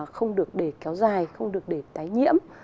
không được để kéo dài không được để tái nhiễm